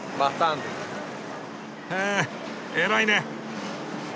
へ偉いね！